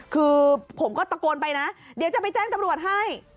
คือผมก็ตะโกนไปนะเดี๋ยวจะไปแจ้งตำรวจให้